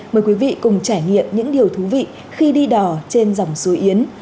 mời quý vị cùng trải nghiệm những điều thú vị khi đi đò trên dòng suối yến